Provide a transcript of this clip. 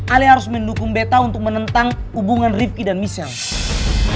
ali harus mendukung beta untuk menentang hubungan rifki dan michelle